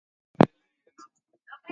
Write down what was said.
Eleanor was imprisoned at Corfe Castle.